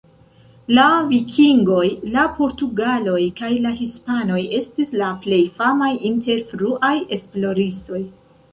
La vikingoj, la portugaloj, kaj la hispanoj estis la plej famaj inter fruaj esploristoj.